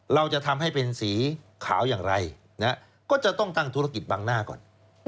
เราจะทำให้เป็นสีขาวอย่างไรก็จะต้องตั้งธุรกิจบังหน้าก่อน